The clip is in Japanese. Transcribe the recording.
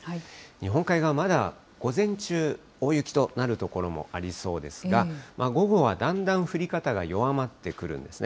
日本海側、まだ午前中、大雪となる所もありそうですが、午後はだんだん降り方が弱まってくるんですね。